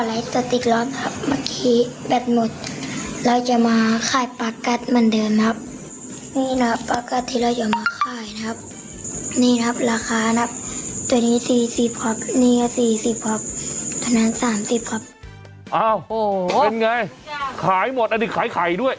โอ้โหเป็นไงขายหมดอันนี้ขายไข่ด้วย